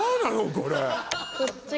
これ。